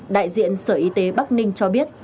đại diện sở y tế bắc ninh cho biết